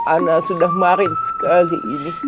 ana sudah marit sekali ini